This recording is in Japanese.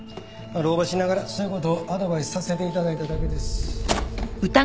老婆心ながらそういう事をアドバイスさせて頂いただけです。